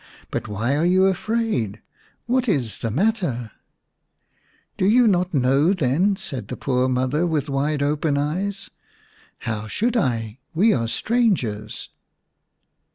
But why are you afraid ? What is the matter ?"" Do you not know then ?" said the poor mother with wide open eyes. " How should I ? We are strangers."